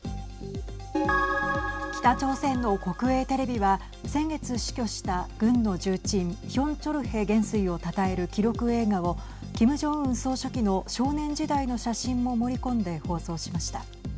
北朝鮮の国営テレビは先月、死去した軍の重鎮ヒョン・チョルヘ元帥をたたえる記録映画をキム・ジョンウン総書記の少年時代の写真も盛り込んで放送しました。